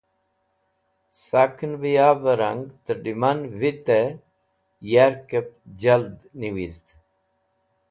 Sakẽn bẽ yavẽ rang tẽrlẽman vitẽ yarkẽb jald niwizd.